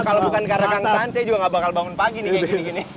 kalau bukan karena kang saan saya juga gak bakal bangun pagi nih kayak gini gini